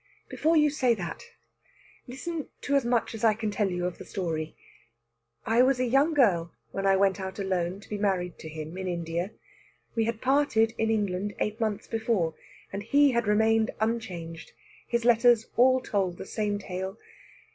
"Before you say that, listen to as much as I can tell you of the story. I was a young girl when I went out alone to be married to him in India. We had parted in England eight months before, and he had remained unchanged his letters all told the same tale.